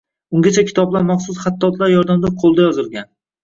Ungacha kitoblar maxsus hattotlar yordamida qoʻlda yozilgan.